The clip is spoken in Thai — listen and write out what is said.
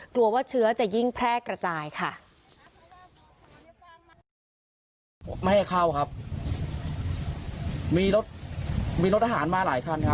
กลัวว่าเชื้อจะยิ่งแพร่กระจายค่ะ